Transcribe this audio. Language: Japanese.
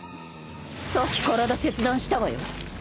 さっき体切断したわよ